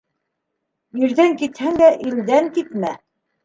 Ирҙән китһәң дә, илдән китмә.